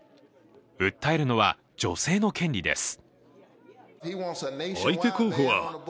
訴えるのは女性の権利です。